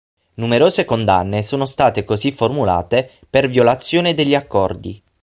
Numerose condanne sono state così formulate per violazione degli accordi.